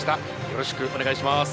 よろしくお願いします。